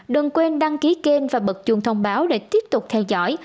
đừng quên đăng ký kênh và bật chuồng thông báo để tiếp tục theo dõi